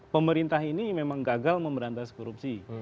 pemerintah ini memang gagal memberantas korupsi